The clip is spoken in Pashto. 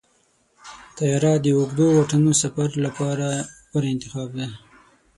طیاره د اوږدو واټنونو سفر لپاره غوره انتخاب دی.